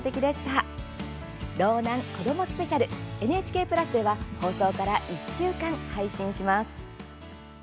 スペシャルＮＨＫプラスでは放送から１週間配信します。